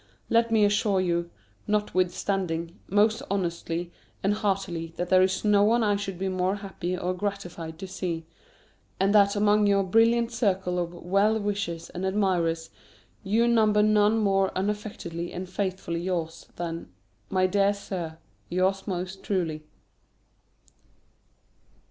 Let me assure you, notwithstanding, most honestly and heartily that there is no one I should be more happy or gratified to see, and that among your brilliant circle of well wishers and admirers you number none more unaffectedly and faithfully yours than, My dear Sir, yours most truly.